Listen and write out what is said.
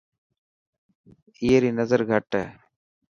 اي ري نظر گهٽ هي.